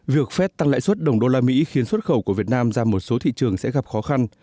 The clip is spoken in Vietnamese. việc phép tăng lãi suất đồng đô la mỹ khiến xuất khẩu của việt nam ra một số thị trường sẽ gặp khó khăn